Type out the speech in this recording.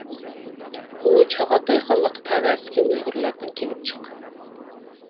ئۇ چاغاتاي خانلىقى تەۋەسىدىكى ئۇيغۇرلاردىن كېلىپ چىققان.